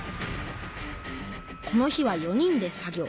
この日は４人で作業。